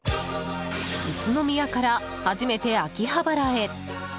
宇都宮から初めて秋葉原へ。